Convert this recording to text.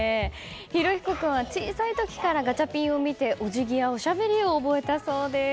裕彦君は小さい時からガチャピンを見てお辞儀やおしゃべりを覚えたそうです。